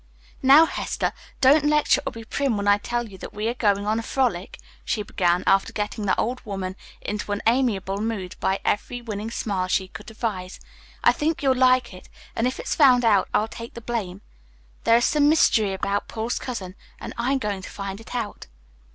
"Now, Hester, don't lecture or be prim when I tell you that we are going on a frolic," she began, after getting the old woman into an amiable mood by every winning wile she could devise. "I think you'll like it, and if it's found out I'll take the blame. There is some mystery about Paul's cousin, and I'm going to find it out."